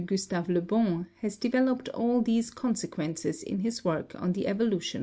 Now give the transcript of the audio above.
Gustave Le Bon has developed all these consequences in his work on the evolution of matter.